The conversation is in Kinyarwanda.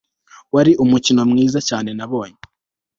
Wari umukino mwiza cyane nabonye